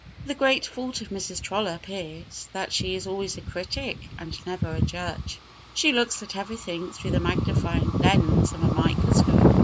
The great fault of Mrs. Trollope is, that she is always a critic and never a judge. She looks at everything through the magnifying lens of a microscope.